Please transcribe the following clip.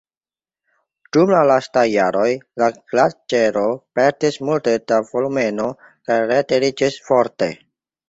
Dum la lastaj jaroj la glaĉero perdis multe da volumeno kaj retiriĝis forte.